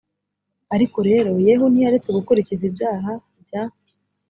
ariko rero yehu ntiyaretse gukurikiza ibyaha bya